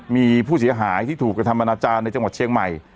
มีผู้เสียหายที่ถูกกระทำอนาจารย์ในจังหวัดเชียงใหม่